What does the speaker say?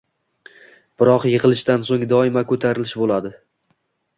Biroq yiqilishdan so‘ng doimo ko‘tarilish bo‘ladi.